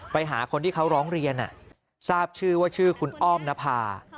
ไปหาคนที่เขาร้องเรียนทราบชื่อว่าชื่อคุณอ้อมนภา